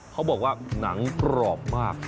เขาบอกว่าหนังกรอบมาก